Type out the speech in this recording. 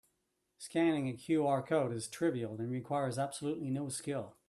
Scanning a QR code is trivial and requires absolutely no skill.